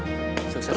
tak ada ke cabinet